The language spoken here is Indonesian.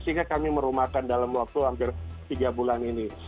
jadi kami merumahkan dalam waktu hampir tiga bulan ini